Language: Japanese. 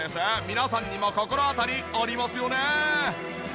皆さんにも心当たりありますよね？